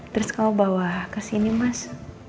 terus kamu bawa kesini mas